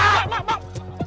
pak pak pak